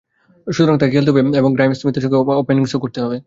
সুতরাং তাঁকে খেলতে হবে এবং গ্রায়েম স্মিথের সঙ্গে ইনিংস ওপেনও করতে হবে।